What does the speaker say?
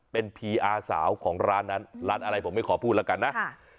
เป็นพีอาสาวของร้านนั้นร้านอะไรผมไม่ขอพูดแล้วกันนะ